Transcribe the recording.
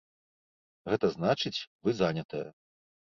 Гэта значыць, вы занятая.